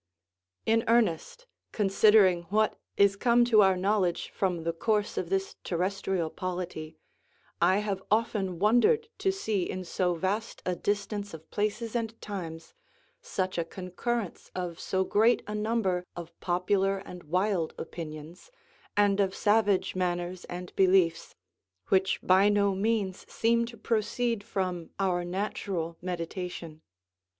In earnest, considering what is come to our knowledge from the course of this terrestrial polity, I have often wondered to see in so vast a distance of places and times such a concurrence of so great a number of popular and wild opinions, and of savage manners and beliefs, which by no means seem to proceed from our natural meditation.